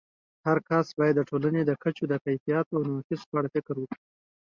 هرکس باید د ټولنې د کچو د کیفیاتو او نواقصو په اړه فکر وکړي.